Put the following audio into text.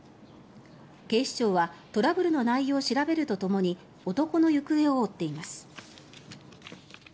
警視庁はトラブルの内容を調べるとともに男の行方を追っています。